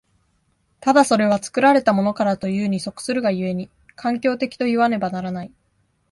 ただそれは作られたものからというに即するが故に、環境的といわねばならない。